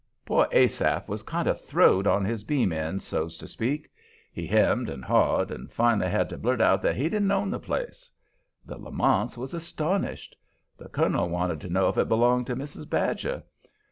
Poor Asaph was kind of throwed on his beam ends, so's to speak. He hemmed and hawed, and finally had to blurt out that he didn't own the place. The Lamonts was astonished. The colonel wanted to know if it belonged to Mrs. Badger.